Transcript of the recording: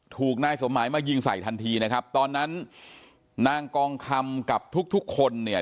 ถูกนายสมหมายมายิงใส่ทันทีนะครับตอนนั้นนางกองคำกับทุกทุกคนเนี่ย